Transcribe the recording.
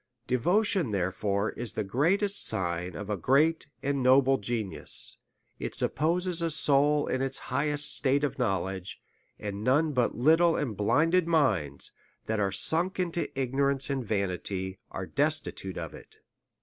Devotion, therefore, is the greatest sign of a great and noble genius, it supposes a soul in its high est state of knowledge ; and none but little and blinded minds, that are sunk into ignorance and vanity, are destitute of it.